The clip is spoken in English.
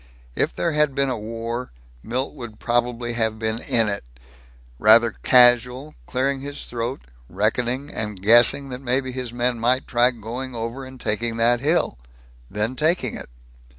If there had been a war, Milt would probably have been in it rather casual, clearing his throat, reckoning and guessing that maybe his men might try going over and taking that hill ... then taking it.